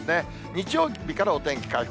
日曜日からお天気回復。